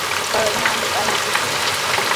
Taqay naanipami aywakushqa.